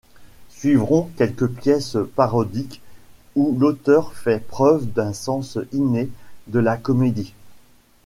Suivront quelques pièces parodiques où l'auteur fait preuve d'un sens inné de la comédie.